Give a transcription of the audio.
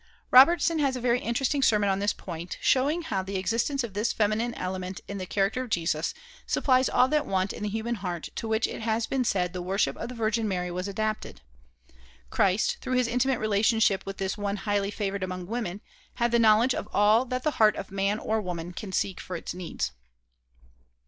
Robertson has a very interesting sermon on this point, showing how the existence of this feminine element in the character of Jesus supplies all that want in the human heart to which it has been said the worship of the Virgin Mother was adapted. Christ, through his intimate relationship with this one highly favored among women, had the knowledge of all that the heart of man or woman can seek for its needs.